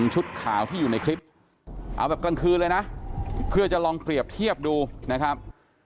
ชุดขาวที่อยู่ในคลิปเอาแบบกลางคืนเลยนะเพื่อจะลองเปรียบเทียบดูนะครับ